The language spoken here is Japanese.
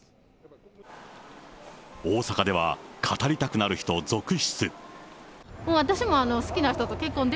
大阪では語りたくなる人続出。